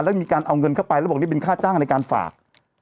แล้วมีการเอาเงินเข้าไปแล้วบอกนี่เป็นค่าจ้างในการฝาก